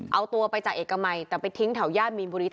เอาตัวไปจากเอกมัยแต่ไปทิ้งแถวย่านมีนบุรี